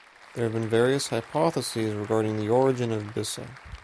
There have been various hypotheses regarding the origin of the Bissa.